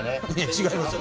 違いますよ。